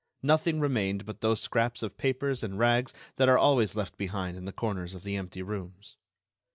Nothing remained but those scraps of papers and rags that are always left behind in the corners of the empty rooms.